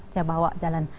saya bawa jalan